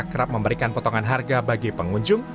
kerap memberikan potongan harga bagi pengunjung